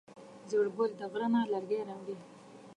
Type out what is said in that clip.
زیړ ګل د غره نه لرګی راوړی.